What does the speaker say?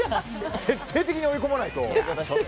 徹底的に追い込まないと。